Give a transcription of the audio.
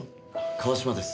川島です。